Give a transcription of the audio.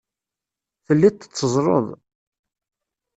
Telliḍ tetteẓẓleḍ.